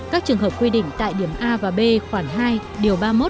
các trường hợp quy định tại điểm a và b khoảng hai điều ba mươi một